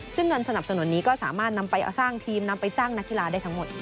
ซึ่งเงินสนับสนุนนี้ก็สามารถนำไปสร้างทีมนำไปจ้างนักกีฬาได้ทั้งหมด